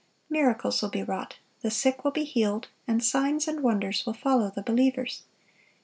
Miracles will be wrought, the sick will be healed, and signs and wonders will follow the believers.